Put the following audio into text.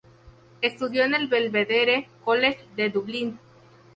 Estudió en el Belvedere College de Dublín.